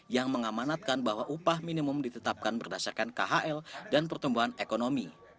yang mengamanatkan bahwa upah minimum ditetapkan berdasarkan khl dan pertumbuhan ekonomi